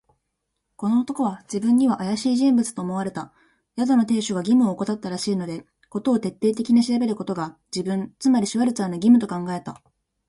この男は自分にはあやしい人物と思われた。宿の亭主が義務をおこたったらしいので、事を徹底的に調べることが、自分、つまりシュワルツァーの義務と考えた。